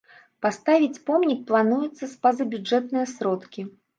Паставіць помнік плануецца за пазабюджэтныя сродкі.